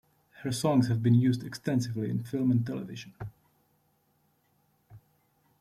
Her songs have been used extensively in film and television.